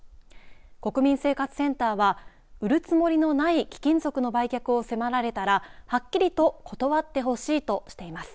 国民生活センターは売るつもりのない貴金属の売却を迫られたらはっきりと断ってほしいとしています。